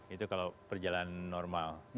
itu kalau perjalanan normal